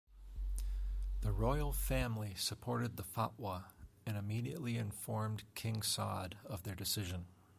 The royal family supported the "fatwa" and immediately informed King Saud of their decision.